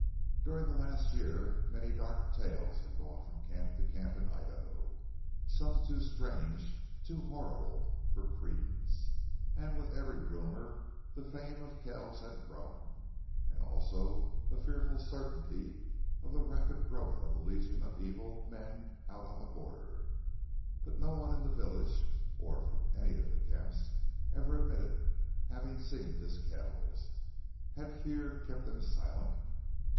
During the last year many dark tales had gone from camp to camp in Idaho some too strange, too horrible for credence and with every rumor the fame of Kells had grown, and also a fearful certainty of the rapid growth of a legion of evil men out on the border. But no one in the village or from any of the camps ever admitted having seen this Kells. Had fear kept them silent?